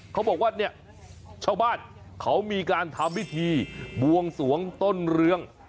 เขาบอกว่าเนี่ยชาวบ้านเขามีการทำพิธีบวงสวงต้นเรือง